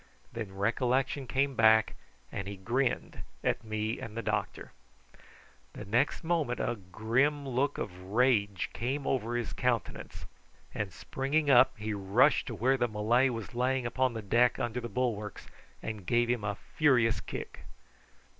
Then recollection came back, and he grinned at me and the doctor. The next moment a grim look of rage came over his countenance, and springing up he rushed to where the Malay was lying upon the deck under the bulwarks, and gave him a furious kick.